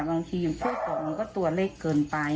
บางทีช่วยกรอกมันก็ตัวเล็กเกินไป